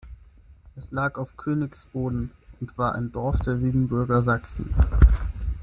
Es lag auf Königsboden und war ein Dorf der Siebenbürger Sachsen.